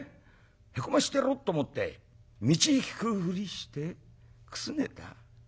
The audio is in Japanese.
へこましてやろうと思って道聞くふりしてくすねた？